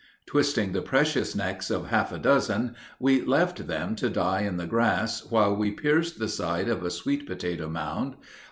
Twisting the precious necks of half a dozen, we left them to die in the grass while we pierced the side of a sweet potato mound.